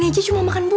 ananya cuma makan buah